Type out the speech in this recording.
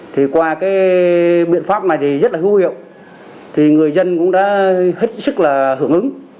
thì qua cái biện pháp này thì rất là hữu hiệu thì người dân cũng đã hết sức là hưởng ứng